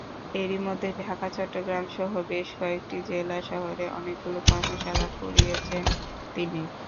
এরই মধ্যে ঢাকা, চট্টগ্রামসহ বেশ কয়েকটি জেলা শহরে অনেকগুলো কর্মশালা করিয়েছেন তিনি।